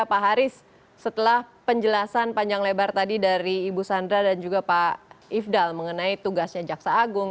pak haris setelah penjelasan panjang lebar tadi dari ibu sandra dan juga pak ifdal mengenai tugasnya jaksa agung